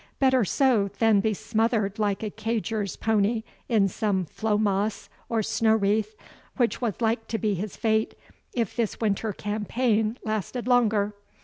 Better so than be smothered like a cadger's pony in some flow moss, or snow wreath, which was like to be his fate if this winter campaign lasted longer.